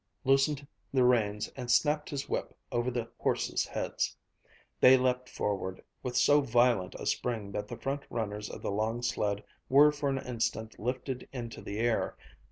loosened the reins, and snapped his whip over the horses' heads. They leaped forward with so violent a spring that the front runners of the long sled were for an instant lifted into the air.